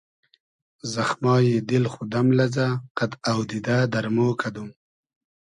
زئخمای دیل خو دئم لئزۂ قئد اۆدیدۂ دئرمۉ کئدوم